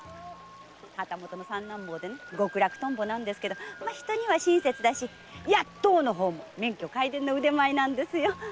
旗本の三男坊で極楽とんぼなんですけど人には親切だしヤットウも免許皆伝の腕前ですよ。